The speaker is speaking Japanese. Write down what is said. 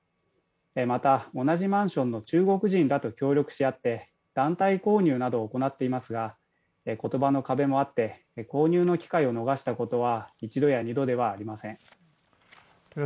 また、同じマンションの中国人らと協力し合って団体購入なども行っていますが、言葉の壁もあって、購入の機会を逃したことは１度や２度ではありません。